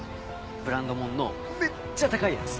ブランドもんのめっちゃ高いやつ。